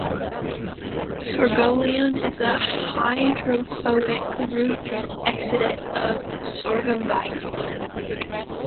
Sorgoleone is a hydrophobic root exudate of "Sorghum bicolor".